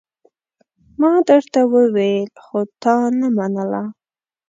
ما درته وويل خو تا نه منله!